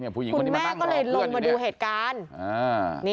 คุณแม่ก็เลยลงมาดูเหตุการณ์